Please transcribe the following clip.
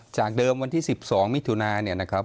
จากเดิมวันที่๑๒มิถุนาเนี่ยนะครับ